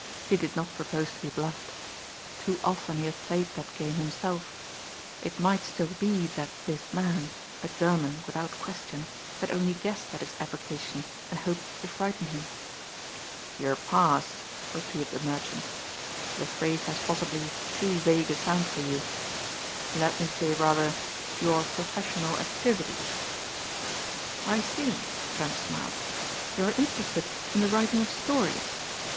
He did not propose to be bluffed. Too often he had played that game himself. It might still be that this man, a German without question, had only guessed at his avocation and hoped to frighten him. "Your past," repeated the merchant. "The phrase has possibly too vague a sound for you. Let me say rather your professional activities." "I see," Trent smiled, "you are interested in the writing of stories.